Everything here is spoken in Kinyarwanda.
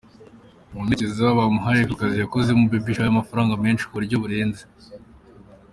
Mu mperekeza bamuhaye ku kazi yakozemo Baby Shower y’amafaranga menshi ku buryo burenze.